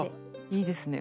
いいですね。